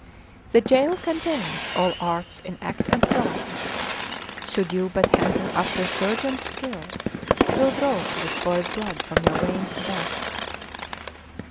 The jail contains all arts in act and trust; '' Should you but hanker after surgeon's skill, 'Twill draw the spoiled blood from your veins adust.